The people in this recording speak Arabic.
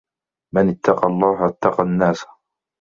مَنْ اتَّقَى اللَّهَ اتَّقَى النَّاسَ